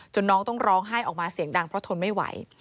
น้องต้องร้องไห้ออกมาเสียงดังเพราะทนไม่ไหว